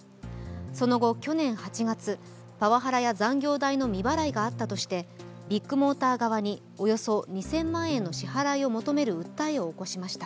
その後、去年８月、パワハラや残業代の未払いがあったとしてビッグモーター側におよそ２０００万円の支払いを求める訴えを起こしました。